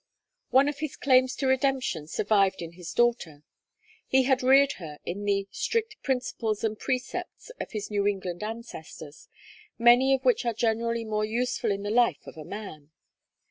One of his claims to redemption survived in his daughter. He had reared her in the strict principles and precepts of his New England ancestors, many of which are generally more useful in the life of a man.